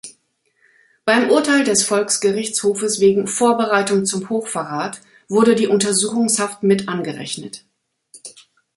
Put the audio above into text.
Beim Urteil des Volksgerichtshofes wegen „Vorbereitung zum Hochverrat“ wurde die Untersuchungshaft mit angerechnet.